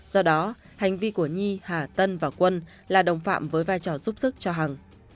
do đó hành vi của nhi hà tân và quân là đồng phạm với vai trò giúp sức cho hằng